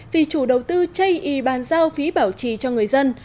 vì chủ đầu tư chay y bàn giao phí bảo trì cho người dân